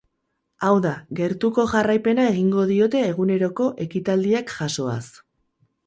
Hau da, gertuko jarraipena egingo diote eguneroko ekitaldiak jasoaz.